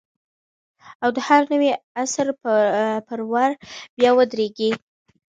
او د هر نوي عصر پر ور بیا ودرېږي